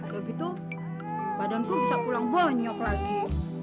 udah gitu badanku bisa pulang bonyok lagi